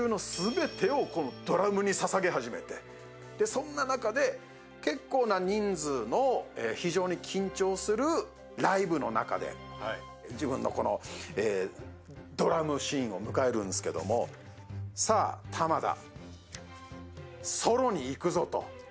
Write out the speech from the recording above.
そんな中で、結構な人数の非常に緊張するライブの中で自分のドラムシーンを迎えるんですけどもさあ、玉田、ソロにいくぞと。